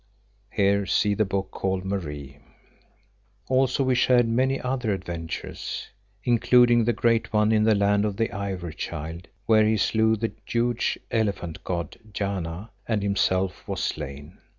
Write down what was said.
Also we shared many other adventures, including the great one in the Land of the Ivory Child where he slew the huge elephant god, Jana, and himself was slain.